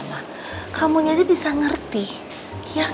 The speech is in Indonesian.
padahal kamunya aja nggak marah sama mama